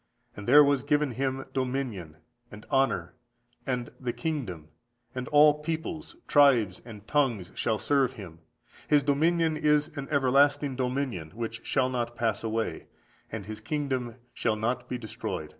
And there was given Him dominion, and honour, and the kingdom; and all peoples, tribes, and tongues shall serve Him: His dominion is an everlasting dominion, which shall not pass away, and His kingdom shall not be destroyed."